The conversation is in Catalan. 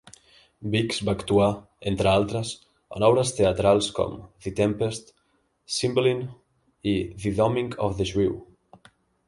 Biggs va actuar, entre altres, en obres teatrals com "The Tempest", "Cymbeline" i "The Doming of the Shrew".